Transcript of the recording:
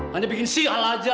hanya bikin sial aja